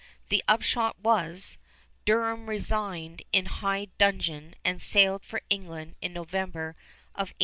The upshot was, Durham resigned in high dudgeon and sailed for England in November of 1838.